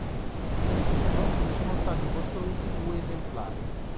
In tutto, ne sono stati costruiti due esemplari.